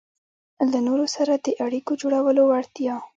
-له نورو سره د اړیکو جوړولو وړتیا